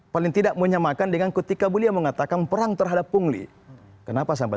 paling tidak menyamakan dengan ketika beliau mengatakan perang terhadap pungli kenapa sampai